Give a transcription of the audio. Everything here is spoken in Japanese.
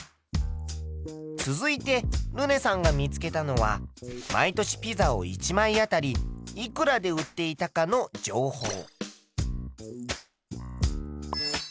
続いてルネさんが見つけたのは毎年ピザを１枚あたりいくらで売っていたかの情報。